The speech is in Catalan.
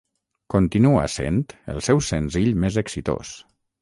Continua sent el seu senzill més exitós.